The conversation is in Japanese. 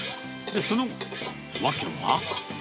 その訳は。